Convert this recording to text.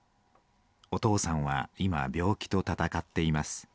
お父さんはいま病気とたたかっています。